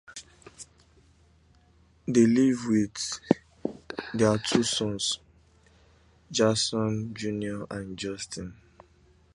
They live with their two sons Jason Junior and Justin.